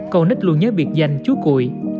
còn nít luôn nhớ biệt danh chú cụi